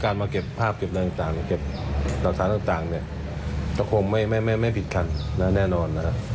การมาเก็บภาพเก็บอะไรต่างเก็บตัวสารต่างจะคงไม่ผิดคันแน่นอน